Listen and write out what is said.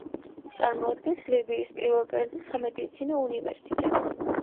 წარმოადგენს ლიბიის პირველ კერძო სამედიცინო უნივერსიტეტს.